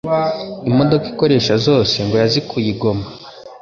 imodoka ikoresha zose ngo yazikuye i Goma